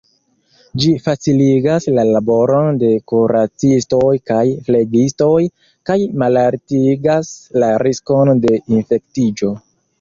Ĝi faciligas la laboron de kuracistoj kaj flegistoj, kaj malaltigas la riskon de infektiĝo.